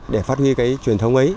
để phát huy cái truyền thống ấy